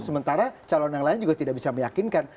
sementara calon yang lain juga tidak bisa meyakinkan